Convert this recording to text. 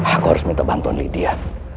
aku harus minta bantuan lydia